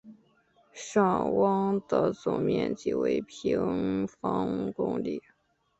尚旺的总面积为平方公里。